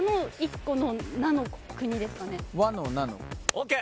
ＯＫ！